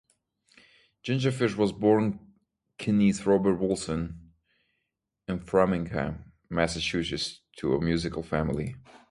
Ginger Fish was born Kenneth Robert Wilson in Framingham, Massachusetts, to a musical family.